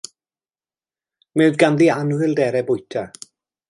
Mi oedd ganddi anhwylderau bwyta.